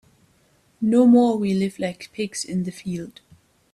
No more we live like pigs in the field.